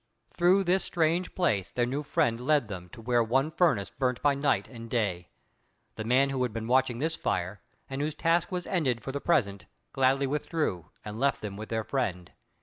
Through this strange place their new friend led them to where one furnace burnt by night and day. The man who had been watching this fire, and whose task was ended for the present, gladly withdrew, and left them with their friend.